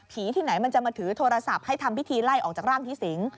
ที่ไหนมันจะมาถือโทรศัพท์ให้ทำพิธีไล่ออกจากร่างพี่สิง